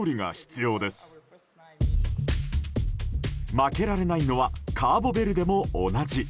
負けられないのはカーボベルデも同じ。